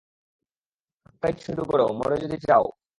কাম কাইজ কর শুরু, মোরে যদি চাও।